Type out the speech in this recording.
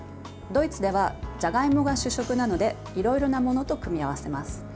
ドイツではじゃがいもが主食なのでいろいろなものと組み合わせます。